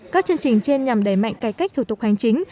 các chương trình trên nhằm đẩy mạnh cải cách thủ tục hành chính